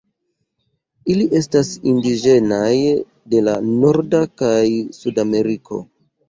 Ili estas indiĝenaj de Norda kaj Sudameriko.